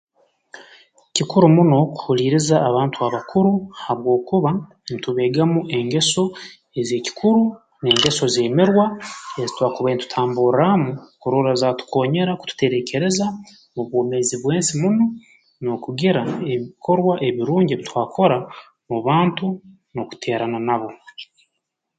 Kikuru muno kuhuliiriza abantu abakuru habwokuba ntubeegamu engeso ez'ekikuru n'engeso z'emirwa ezi twakubaire ntutamburraamu kurora zaatukoonyera kututereekereza mu bwomeezi bw'ensi munu n'okugira ebikorwa ebirungi ebi twakora mu bantu n'okuteerana nabo